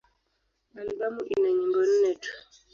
Albamu ina nyimbo nne tu.